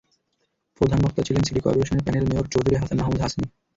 প্রধান বক্তা ছিলেন সিটি করপোরেশনের প্যানেল মেয়র চৌধুরী হাসান মাহমুদ হাসনী।